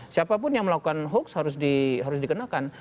siapapun yang melakukan hoax harus dikenakan